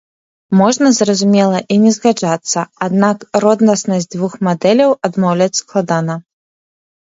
Можна, зразумела, і не згаджацца, аднак роднаснасць дзвюх мадэляў адмаўляць складана.